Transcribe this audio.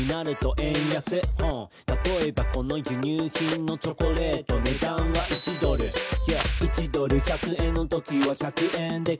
「たとえばこの輸入品のチョコレート」「値段は１ドル」「１ドル１００円のときは１００円で買える」